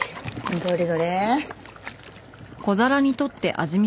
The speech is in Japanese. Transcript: どれどれ？